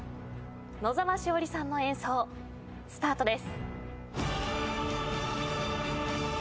野澤しおりさんの演奏スタートです。